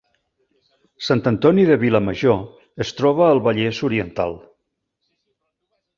Sant Antoni de Vilamajor es troba al Vallès Oriental